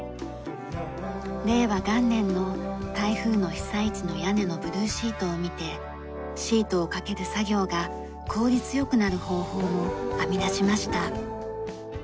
令和元年の台風の被災地の屋根のブルーシートを見てシートをかける作業が効率よくなる方法も編み出しました。